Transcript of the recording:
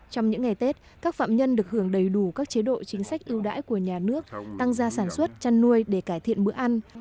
trong những ngày tết các phạm nhân được hưởng đầy đủ các chế độ chính sách ưu đãi của nhà nước tăng gia sản xuất chăn nuôi để cải thiện bữa ăn